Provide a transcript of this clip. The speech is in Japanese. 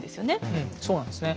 うんそうなんですね。